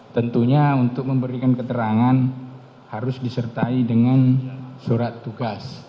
tentunya untuk memberikan keterangan harus disertai dengan surat tugas